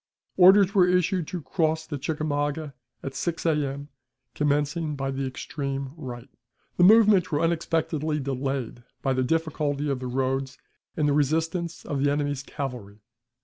Orders were issued to cross the Chickamauga at 6 A.M., commencing by the extreme right. The movements were unexpectedly delayed by the difficulty of the roads and the resistance of the enemy's cavalry.